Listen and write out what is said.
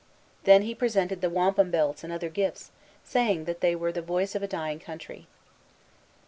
Then he presented the wampum belts and other gifts, saying that they were the voice of a dying country.